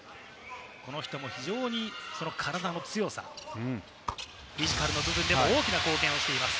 この人も非常に体の強さ、フィジカルの部分でも大きな貢献をしています。